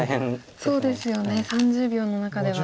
そうですよね３０秒の中では。